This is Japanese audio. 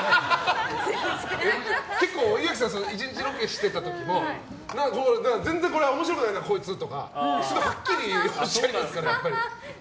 結構、岩城さんと１日ロケしてた時も全然これは面白くないなこいつとかすごいはっきりおっしゃいますから。